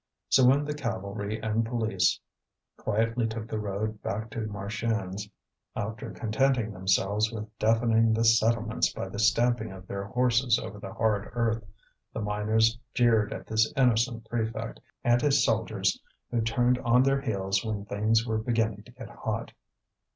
So when the cavalry and police quietly took the road back to Marchiennes, after contenting themselves with deafening the settlements by the stamping of their horses over the hard earth, the miners jeered at this innocent prefect and his soldiers who turned on their heels when things were beginning to get hot.